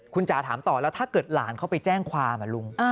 คุณจ๋าถามต่อแล้วถ้าเกิดหลานเขาไปแจ้งความลุง